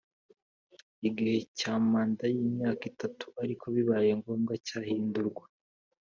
igihe cya manda y imyaka itatu ariko bibaye ngombwa cyahindurwa